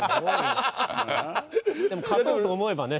でも勝とうと思えばね